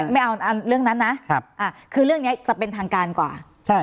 ไม่เอาเรื่องนั้นนะคือเรื่องนี้จะเป็นทางการกว่า